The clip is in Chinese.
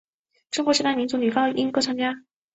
中国十大民族女高音歌唱家。